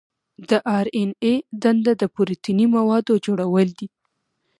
د آر این اې دنده د پروتیني موادو جوړول دي.